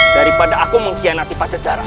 daripada aku mengkhianati pacar jarak